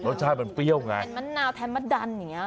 รสชาติมันเปรี้ยวไงเป็นมะนาวแทนมะดันอย่างเงี้